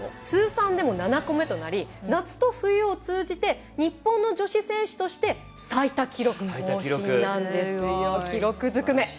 通算でも７個目となり夏と冬を通じて日本の女子選手として最多記録の更新なんですよ。